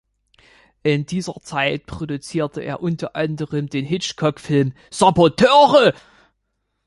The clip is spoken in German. In dieser Zeit produzierte er unter anderem den Hitchcock-Film "Saboteure".